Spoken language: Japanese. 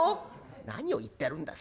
「何を言ってるんだ。